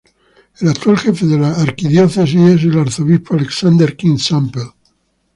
El actual jefe de la Arquidiócesis es el arzobispo Alexander King Sample.